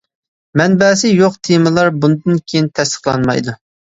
مەنبەسى يوق تېمىلار بۇندىن كېيىن تەستىقلانمايدۇ.